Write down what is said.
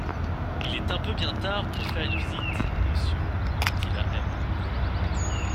Il est un peu bien tard pour faire une visite, monsieur, dit-il à M.